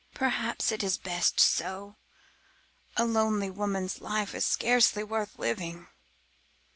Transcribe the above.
"Perhaps it is best so. A lonely woman's life is scarce worth living.